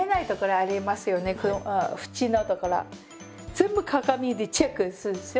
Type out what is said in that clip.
全部鏡でチェックするんですよ。